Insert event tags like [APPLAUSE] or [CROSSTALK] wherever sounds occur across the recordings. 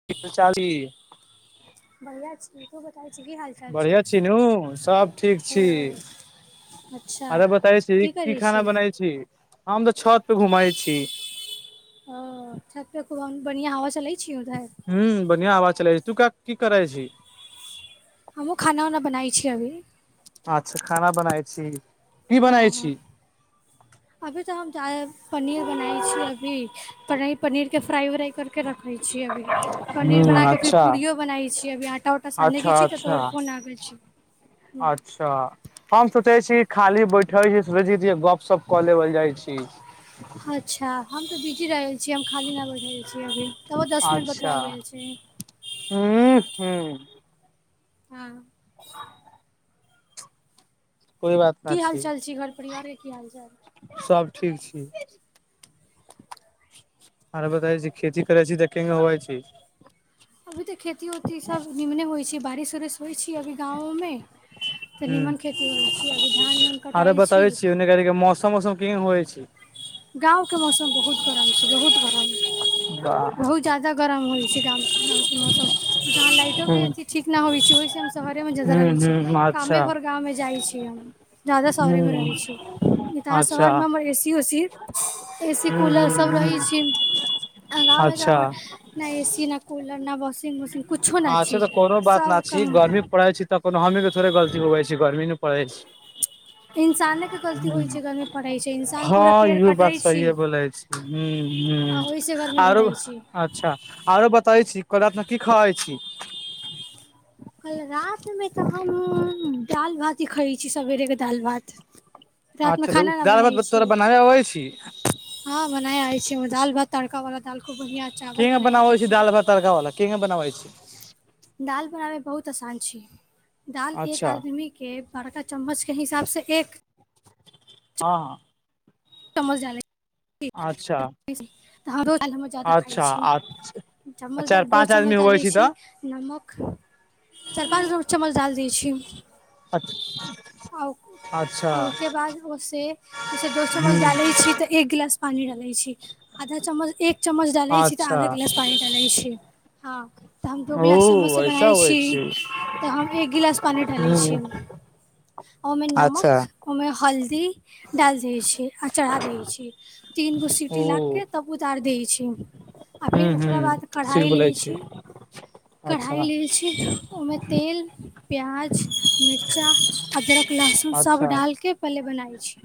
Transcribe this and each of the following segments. [UNINTELLIGIBLE] बढ़िया छी तु बताए छि कि हाल चाल छै बढ़िआँ छी नु सब ठीक छी हँ अच्छा आर बता छी की खाना बनाै छी हम तऽ छत पे घुमाइ छि ओ छत पर खूब बढ़िया हवा चलै छै उधर हू बढ़िआं हवा चलै छै तू की करै छी हमहुँ खाना उना बनाै छी अभी अच्छा खाना बनाय छी की बनाय हँ छी अभी तऽ हम जा पनीर बनाै छी अभी पनीर के फ्राई उ्राई करके रखै छिय अभी हूं पनीर बनाके फिर अच्छा पूड़ियो बनाैब के छी अभी आटा उँटा सानैके अच्छा छी तऽ अच्छा तोर फोन आबै छी [INAUDIBLE] [UNINTELLIGIBLE] अच्छा हम सोचै छी खाली बैठे छी सोचै छी गप्प सप्प कऽ लेबल जाइ छी अच्छा हम तऽ बिजी रह छियै हम खाली नहि बैठ रहल छी अभी तबो दस मिनट बतिया लि छी हू हू हँ [INAUDIBLE] [UNINTELLIGIBLE] कोइ बात न की हाल चाल छै घर परिवारके की हाल चाल सभ ठीक छी अरे बताै छी खेती करै छी देखेंगे होबै छी अभी तऽ खेती उती सब निमने होइ छै बारिश उरिश होइ छै अभी गाँवो मे तऽ हूं नीमन खेती होइ छै अभी धान उन कटाइ छी मास सम केहेन होइ छै गाँवके मौसम बहुत गरम छै बहुत गरम बाह बहुत ज्यादा गरम होइ छै गाव मौसम अहाँ हू लाइटोके अथी ठीक नहि होइ छै ओहिसँ हम शहरेमे ज्यादा रहैत छी हू अच्छा कामेभर गाँवमे जाइ छी हम ज्यादा शहरेमे रहै छी त अच्छा शहरमे हम ऐसी सी ए सी हू कूलर हू सब रहै हू छी आगाँमे अच्छा तर नहि एसी न कूलर न वाशिंग मशीन कुछो नहि अच्छा छी तऽ कोनो बात ना सबके छी हम गर्मी पढ़े छी तऽ कोनो हमें के थोड़े गलती होइ छी गर्मी नहि पढ़ै छी इंसान के गलती होइ छै गरमी पड़ै छै इंसान पूरा पेड़ कटाै छि ह ह गर्मी आरो बढ़ै छै अच्छा आरो बतबै छी काईल रात की खाइ छी कल रातिमे तऽ हम दाल भात ही खइ छी सभेरेके दाल भात रातिमे अच्छा तऽ खाना नहि दाल बनाइ भात छी तोरा बनाबे अबै छै हँ बनाय आबै छी दाल भात तड़का वाला दाल खूब बढ़ियां चावल बनाय आय छी तरका वाला केना बनावइ छी दालि बनाबै बहुत आसान छी दालि एक अच्छा आदमीक के बड़का चम्मचके हिसाबसँ एक हँ चमचाल अच्छा त हमरोाल हम जादा खाइ अच्छा छी आ [INAUDIBLE] [INAUDIBLE] चम्मच चारि दो पाँच आदमी चम्मच होबै डालैय छी छि तऽ नमक चारि पाँच गो चम्मच दाल दैय छी अच्छा उके बाद ओे से दोस्त चम्मच डाले छी तऽ एक गिलास पानी डाले छी आधा चम्मच एक चम्मच डाले छी तऽ अच्छा आधा गिलास पानी डालैय छी हँ तऽ हम दो गिलास चम्मच ओ स ऐसा बनाबै होइ छी छै तऽ हम एक गिलास पानी डालैत छिय ह ओइमे नमक अच्छा ओहिमे हल्दी डालि दै छै आ चढ़ा दै छै तीन गो सीटी ओ लाग केे तब उतारि दैय छै आ हू फेर हू ओकरा बाद ठीक कढ़ाइ बोलै लेत छी अच्छा छी ओहिमे तेल प्याज मिरचा अदरक लहसुन सब अच्छा डालके पले बनाबै छी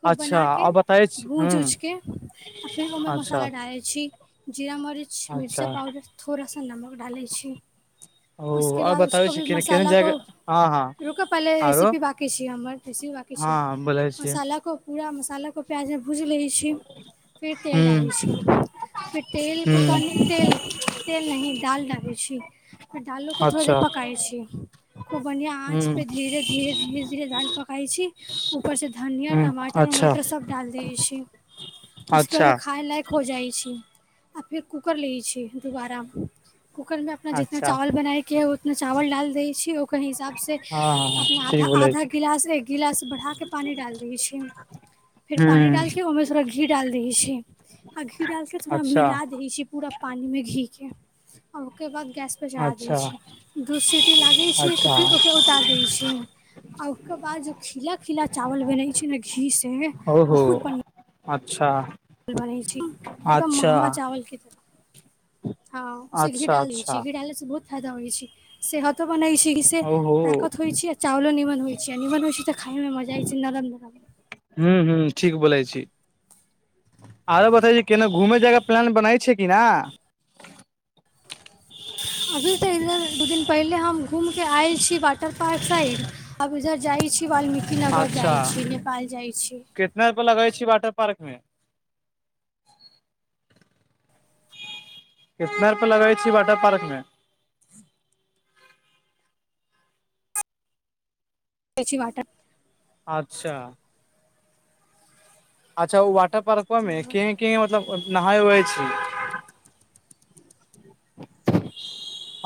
खूब अच्छा बनाके आओर बताबै छी भूज हूँ उजके आ फेर ओहिमे अच्छा मसाला डालैत छी जीरा मरीच अच्छा मिर्चा पाउवडर थोड़ा सा नमक डालैत छी ओ उसके आओर बाद बताबै उसको छी भी केने केने मसाला जायके को हँ हँ रुकऽ पहिले आरो रेसिपी बाकी छै हमर रेसिपी ब हँ बोलै छियै मसाला को पूरा मसालाके प्याजमे भूज लैत छी फिर तेल डालै हूँ छियै फिर तेलके त हूँ नहि तेल तेल नही दाल डालै छी फेर दालो को थोड़ा अच्छा देर पकाई छी खूब बढ़ियां हूँ आँच पे धीरे धीरे धीरे धीरे दाल पकाई छी ऊपर से घनिया हूँ टमाटर अच्छा उमाटर सब डालि दै छै उसके बाद अच्छा ओ खाय लायक खो जाइ छै आ फेर कूकर लै छी दुोबारा कूकरमे अपना जितना अच्छा चावल बनायके है उतना चावल डाल दै छी ओकर हिसाबसँ हँ हँ अपना ठीक बोलै आधा छी गिलास एक गिलास बढ़ाके पानि डाल दै छि फेर पानी हूँ डालके ओहिमे थोड़रा घी डाल दै छियै आ घी डालके थोड़ा अच्छा मिला दै छि पूरा पानी मे घी के आ ओकर बाद गैस चढ़ा अच्छा दैत छै दूध सीटी लागैत छै अच्छा तऽ फेर ओके उतारि दैत छै आ उकर बाद जो खिला खिला चावल बनै छै ने घी से ओहो बहुत बढ़िया अच्छा बनै एकदम अच्छा महगा चावल क हँ से घी अच्छा डाल दै अच्छा छी घी डालेसँ बहुत फायदा होइ छै सेहतो बनैत छै से ओहो ताकत होइ छै चावल निमन होइ छै निमन होइ छै त खाइमे मजा अबेछै नरम नरम हूँ हू ठीक बोलै छी आरो बताइयो केना घूमे जायके प्लान बनै छै कि न अभी तऽ इधर दू दिन पहिले हम घूमिकऽ आयल छी वाटर पार्क साइड आब इधर जाइत छी वाल्मीकिनगर अच्छा जाइत छी नेपाल जाइत छी कितना रुपे लगे छैै वाटर पार्क मे लगे छी वाटर पार्क मे यी वट [INAUDIBLE] [INAUDIBLE] अच्छा अच्छा ओ वाटर पार्को मे के के मतलब नहाय हुआई छै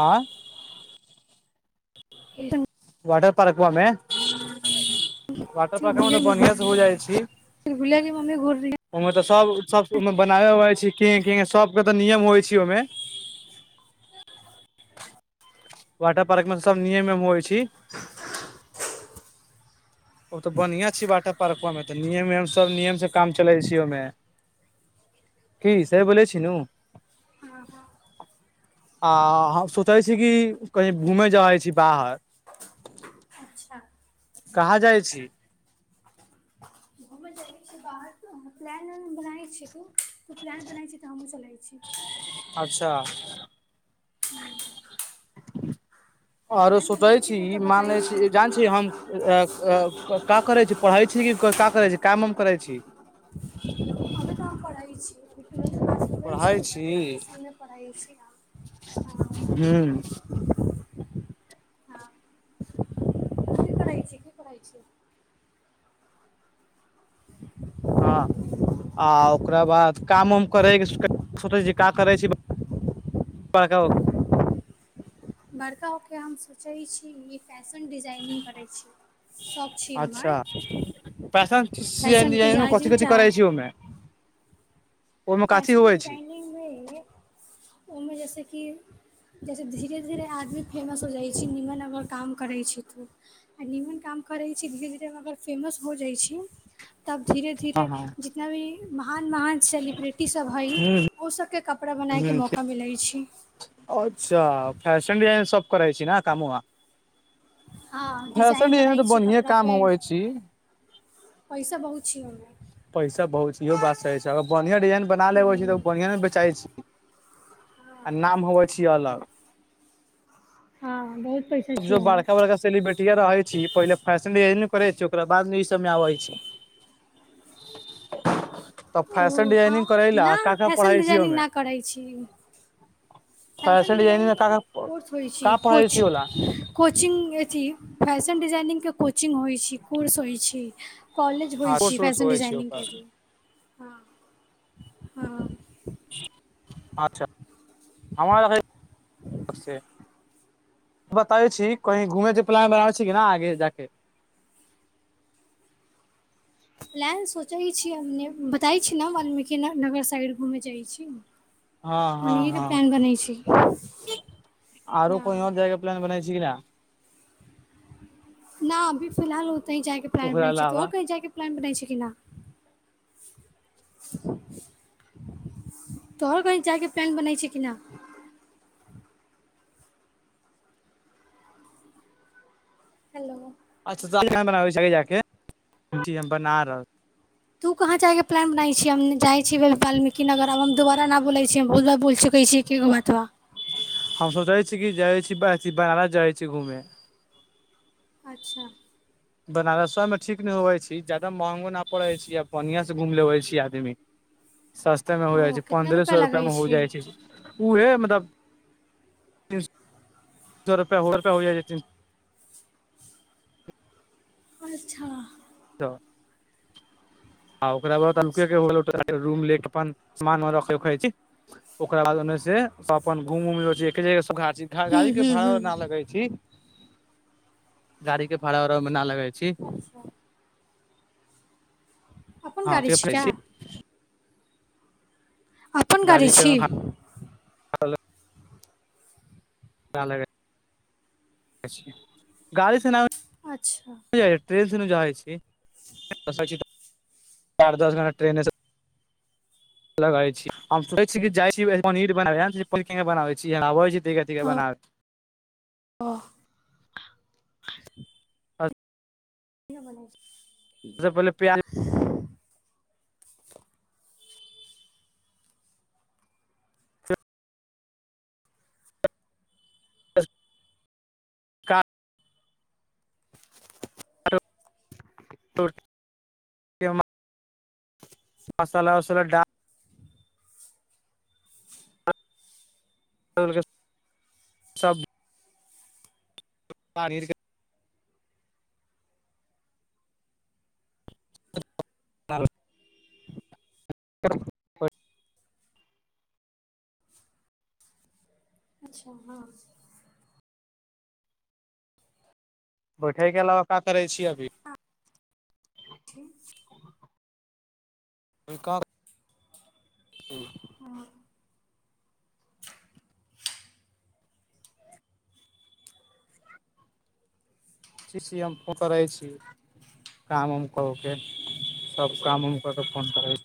आँय एकदम [INAUDIBLE] वाटर पार्कमे वाटर पार्का मे तऽ गुलेमे घुर बढ़िआं से हो जाइ छी फिर गुलेमे मम्मी घुर रही ओहिमे तऽ सब सब ओ बनाबे होै छै केहे केहे सबके तऽ नियम होइ छै ओहिमे वाटर पार्क मे तऽ सब नियम ए होइ छै [INAUDIBLE] ओ तऽ बढ़ियां छै वाटर पार्को मे तऽ नियम उयम सब नियम से काम चले छै ओमे की सही बोलय छु न आ सोचै छी कि कहीं घूमै जाइ छी बाहर अच्छा कहाँ जाइ छी [UNINTELLIGIBLE] बनाै छै तू कोइ प्लान बनाै छै तऽ हमहुू चलै छ अच्छा आरो प्लान सोचै बनाइ छी तू ई तऽ मान बताइ ले छी जान छी हम क करै छी पढ़ै छी कि का करै छी काम आम करै छी हमे त अभी पढ़इ छी ट्वेल्थ पास करै पढ़ई हम छी ग्रेजुएशनमे पढ़ै छी हम हू हँ हँ की करे छी की करेछी [INAUDIBLE] हँ आ ओकरा बाद काम उम करे के [UNINTELLIGIBLE] [UNINTELLIGIBLE] बड़का होके हम सोचै छी ई फैशन डिजाइनिंग करै छी। छी हमर अच्छा फैशन डिजाइन फैशन डिजाइन कथी डिजाइनिंग चाह [UNINTELLIGIBLE] मे ओहिमे कथी फैशन हुए छी डिजाइनिंगमे ओहिमे जैसे कि जैसे धीरे धीरे आदमी फेमस हो जाइ छैय निमन अगर काम करै छैय तऽ। आ निमन काम करै छी धीरे धीरे अगर फेमस हो जाय छी तब धीरे हँ धीरे हँ जितना भी महान महान सेलिब्रिटी सभ हइ हूँ ओ सबके कपड़ा बनायके हूँ मौका मिलै छी। अच्छा फैशन डिजाइन सब करय छैय ने कामवा। हँ फैशन डिजाइन में बनाइ तऽ छी बढ़िए काम कपड़ापर होै छी। पैसा बहुत छी ओहीमे। पैसा बहुत छी इहो बात सही अगर बढ़िआं डिजाइन बना लेबै छैय तऽ ओहिमे बढ़आं ने बेचइ छी आ नाम होबय छी अलग। हँ बहुत पैसा छै जो ओहिमे बड़का बड़का सेलिब्रेटीया रहे छी पहिले फैशन डिजाइनिग करे छी ओकरा बाद मे इ सब मे आबै छी। [UNINTELLIGIBLE] तऽ ओ फैशन हँ डिजाइनिंग करै ला न का का फैशन पढ़ै छी डिजाइनिंग ओहिमे नहि करै छी। फैशन डिजाइनिंग मे का डिजाइनिंगग का कोर्स होइ छैय का पढ़ै छी ओला कुछ। कोचिंग अथी फैशन डिजाइनिंगके कोचिंग होइ छैय कोर्स होइ छैय। कॉलेज होइ छी कोर्स उर्स फैशन होय छै डिजानिंग ओकर के। हँ अचछा हमर [UNINTELLIGIBLE] बताबै छी कही घूमे के प्लान बनाबे छी कि न आगे जा के? सोचै छी बतायि छी न बाल्मीकिन नगर साइड घूमे जाइ छी। हँ हँ ओनही के हँ प्लान बनै छी। आरो कोही आओर जके प्लान बनाय छैय कि न? न अभी फिलहाल ओतही जायके प्लान ओकरा बनै छैय तो अलावा कही जायके प्लान बनाै छैय कि नहि? तोहर कही जायके प्लैन बनै छैय कि न? हेलो अच्छा [UNINTELLIGIBLE] बना रहल। तू कहाँ जायके प्लान बनाय छी हम जाइ छीयै बाल्मीकी नगर आब हम दोबारा ना बोलै छी हम बहुत बार बोल चुकल छी ऐकेगो बतवा। हम सोचै छी की कि जाय छी बनारस जाइ छी घूमे। अच्छा बनारसो मे ठीक ने होवे छै जादा महंगो न पड़े छै आ बढ़िया से घुम लेबै छी आदमी सस्ते में हो जाइ ओ छी कतना पन्द्रह रुपैआ सए रुपआ लगै मे हो छै जाइ छी। उहे मतलब [UNINTELLIGIBLE] अच्छा त आ ओकरा बाद अनुके अच्छा केँ रूम ले के अपन सामान उमान रखे उखै छी। ओकरा बाद ओने से सब अपन घुम उम [UNINTELLIGIBLE] छी हूँ गाड़ी के हूँ भाड़ा हूँ ओना लगे छी। गाड़ी के भाड़ा उड़ा ऊमे ना लगै छी। [INAUDIBLE] अपन गाड़ी छी क्या? अपन गाड़ी छी? भाड़ा अच्छा [UNINTELLIGIBLE] [UNINTELLIGIBLE] लगे छी हम सोै छी कि जाइ छी पर बना के बनाबे छी आब छी कथी कथी के बनाबै ओ [UNINTELLIGIBLE] अच [INAUDIBLE] [INAUDIBLE] एहि सँ पहिले [UNINTELLIGIBLE] प्याज का [UNINTELLIGIBLE] मसाला उसाला डाल [UNINTELLIGIBLE] सब [INAUDIBLE] [UNINTELLIGIBLE] अच्छा हँ बैठे के अलावा का करै छी अभी ठीक छै [UNINTELLIGIBLE] हूंम्म [INAUDIBLE] हँ शीशी हम प [UNINTELLIGIBLE] करय छी काम उम कऽ के सब काम उम कऽ के फोन करै छी